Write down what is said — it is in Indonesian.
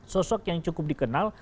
sosok yang cukup dikenal